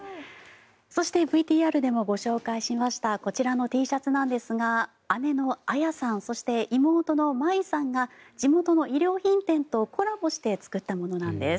そして、ＶＴＲでもご紹介しましたこちらのＴシャツなんですが姉の彩さんそして妹の舞さんが地元の衣料品店とコラボして作ったものなんです。